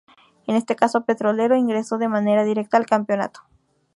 En este caso Petrolero ingresó de manera directa al campeonato.